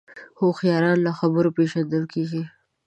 هوښیاران له خبرو پېژندل کېږي